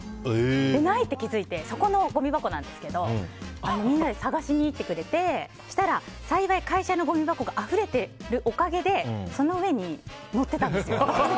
で、ない！って気づいてそこのごみ箱なんですけどみんなで捜しに行ってくれてそうしたら、幸い会社のごみ箱があふれているおかげでその上にのってたんです。